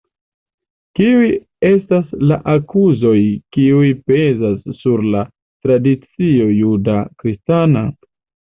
Kiuj estas la akuzoj kiuj pezas sur la tradicio juda kristana?